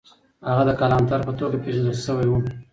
هغه د کلانتر په توګه پېژندل سوی و.